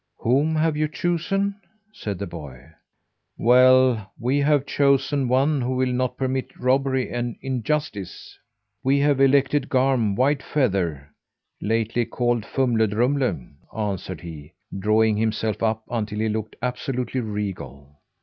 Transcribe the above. "Whom have you chosen?" said the boy. "Well, we have chosen one who will not permit robbery and injustice. We have elected Garm Whitefeather, lately called Fumle Drumle," answered he, drawing himself up until he looked absolutely regal.